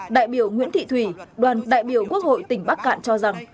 đại biểu nguyễn thị thủy đoàn đại biểu quốc hội tỉnh bắc cạn cho rằng